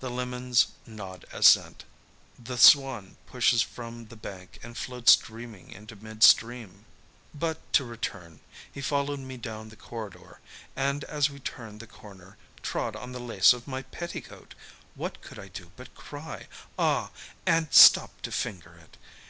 The lemons nod assent. The swan pushes from the bank and floats dreaming into mid stream. "But to return. He followed me down the corridor, and, as we turned the corner, trod on the lace of my petticoat. What could I do but cry 'Ah!' and stop to finger it?